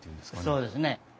そうですね。